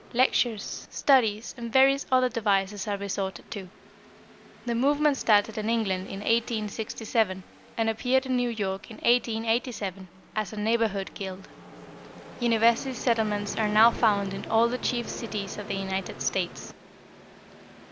Lectures, studies, and various other devices are resorted to. The movement started in England in 1867, and appeared in New York in 1887, as a "Neighborhood Guild." University settlements are now found in all the chief cities of the United States.